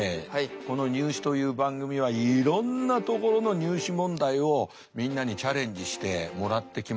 この「ニュー試」という番組はいろんなところの入試問題をみんなにチャレンジしてもらってきました。